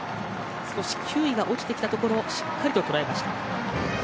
少し球威が落ちていったところをしっかりととらえました。